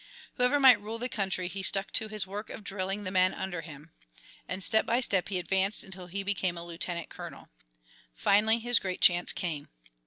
Whoever might rule the country he stuck to his work of drilling the men under him, and step by step he advanced until he became lieutenant colonel. Finally his great chance came.